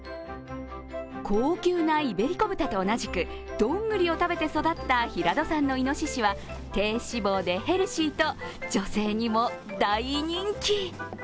高級なイベリコ豚と同じくドングリを食べて育った平戸産のいのししは低脂肪でヘルシーと、女性にも大人気。